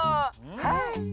はい。